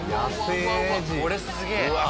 これすげえ！